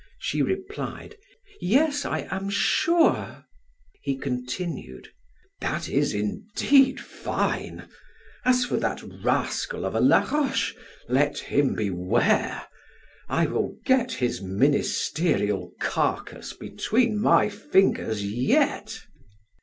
She replied: "Yes, I am sure." He continued: "That is indeed fine! As for that rascal of a Laroche, let him beware! I will get his ministerial carcass between my fingers yet!"